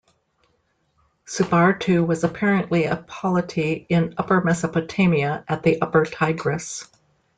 Subartu was apparently a polity in Upper Mesopotamia, at the upper Tigris.